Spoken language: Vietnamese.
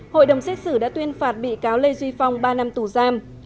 hội đồng xét xử đã tuyên phạt bị cáo lê duy phong ba năm tù giam